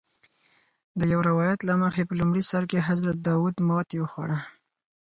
د یو روایت له مخې په لومړي سر کې حضرت داود ماتې وخوړه.